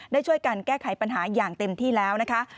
ได้ช่วยกันแก้ไขปัญหาอย่างเต็มที่แล้วนะคะ